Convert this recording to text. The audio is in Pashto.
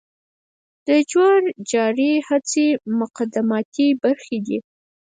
د جور جارې هڅې مقدماتي برخي دي.